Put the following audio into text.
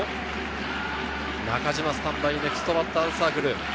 中島スタンバイ、ネクストバッターズサークル。